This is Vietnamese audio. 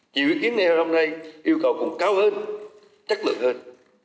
chịu ý kiến ngày hôm nay yêu cầu cũng cao hơn chất lượng hơn